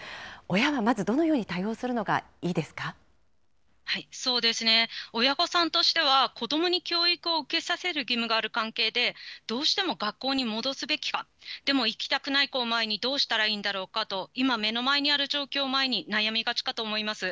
親はまずどのように対応するのがそうですね、親御さんとしては、子どもに教育を受けさせる義務がある関係で、どうしても学校に戻すべきか、でも行きたくない子を前にどうしたらいいんだろうかと、今、目の前にある状況を前に、悩みがちかと思います。